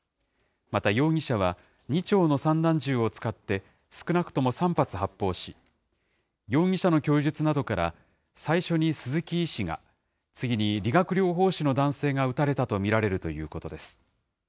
また容疑者は、２丁の散弾銃を使って、少なくとも３発発砲し、容疑者の供述などから、最初に鈴木医師が、次に理学療法士の男性が撃たれたと見られるということです。